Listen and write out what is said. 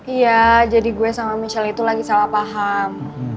iya jadi gue sama michelle itu lagi salah paham